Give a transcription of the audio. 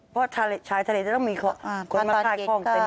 พอชายทะเลจะต้องมีคนมาคลายคล่อง